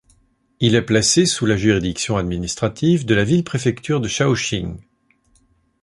Il est placé sous la juridiction administrative de la ville-préfecture de Shaoxing.